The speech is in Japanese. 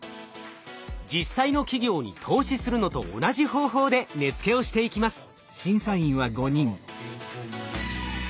実際の企業に投資するのと同じ方法で値つけをしていきます。